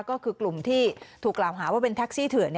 ก็คือกลุ่มที่ถูกกล่าวหาว่าเป็นแท็กซี่เถื่อน